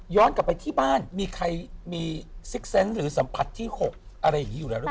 กลับไปที่บ้านมีใครมีซิกเซนต์หรือสัมผัสที่๖อะไรอย่างนี้อยู่แล้วหรือเปล่า